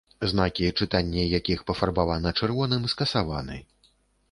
Знакі, чытанне якіх пафарбавана чырвоным, скасаваны.